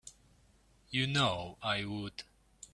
You know I would.